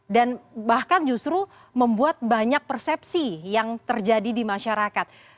dan bahkan justru membuat banyak persepsi yang terjadi di masyarakat